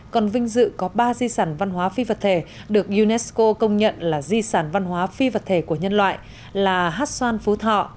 còn vinh dự có ba di sản văn hóa phi vật thể được unesco công nhận là di sản văn hóa phi vật thể của nhân loại là hát xoan phú thọ